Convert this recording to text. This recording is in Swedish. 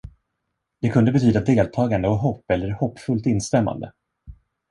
Det kunde betyda deltagande och hopp eller hoppfullt instämmande.